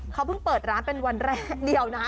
เขาเพิ่งเปิดร้านเป็นวันแรกเดียวนะ